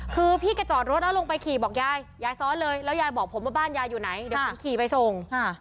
คือพี่ก็จอดรถแล้วลงไปขี่บอกยายยายซ้อนเลยแล้วยายบอกผมว่าบ้านยายอยู่ไหนเดี๋ยวผมขี่ไปส่ง